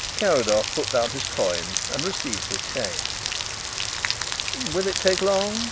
Carrados put down his coin and received his change. "Will it take long?"